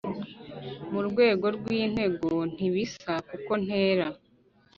mu rwego rw’intego, ntibisa kuko ntera